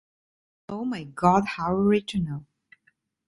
Oh, my God, how original.